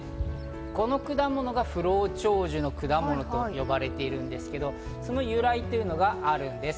この果物が不老長寿の果物と呼ばれているんですけどその由来というのがあるんです。